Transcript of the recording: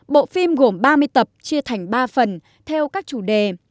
bộ phim gồm ba mươi tập chia thành ba phần theo các chủ đề